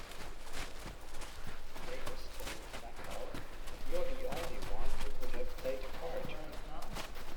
Davis told Bacall, You're the only one who could have played the part.